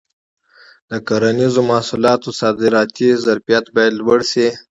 د کرنیزو محصولاتو صادراتي ظرفیت باید لوړ شي.